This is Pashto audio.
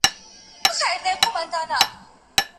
له حالاتو، وخت او ظروفو سره ئې حکم بدليږي.